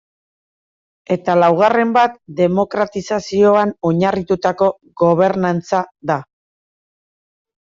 Eta laugarren bat demokratizazioan oinarritutako gobernantza da.